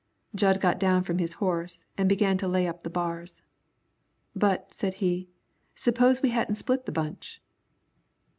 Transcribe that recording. Jud got down from his horse and began to lay up the bars. "But," said he, "suppose we hadn't split the bunch?"